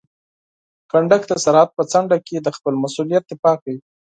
کنډک د سرحد په څنډه کې د خپل مسؤلیت دفاع کوي.